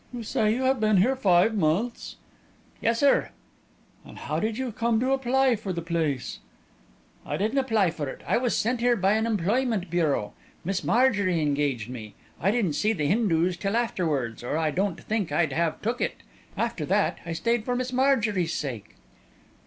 "You say you have been here five months?" "Yes, sir." "How did you come to apply for the place?" "I didn't apply for it. I was sent here by an employment bureau. Miss Marjorie engaged me. I didn't see the Hindus till afterwards, or I don't think I'd have took it. After that, I stayed for Miss Marjorie's sake."